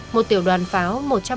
một tiểu đoàn pháo